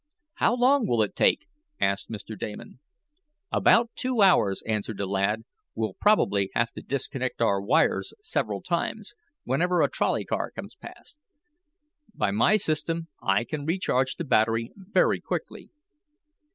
"How long will it take?" asked Mr. Damon. "About two hours," answered the lad. "We'll probably have to disconnect our wires several times, whenever a trolley car comes past. By my system I can recharge the battery very quickly.